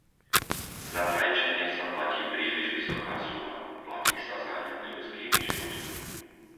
Za fajčenie sa platí príliš vysoká suma, platí sa zaň ľudskými životmi.